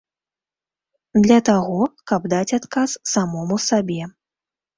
Для таго, каб даць адказ самому сабе.